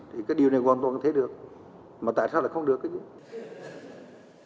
thì cái điều này hoàn toàn có thể được mà tại sao là không được